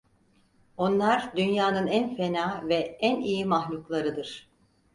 Onlar dünyanın en fena ve en iyi mahluklarıdır.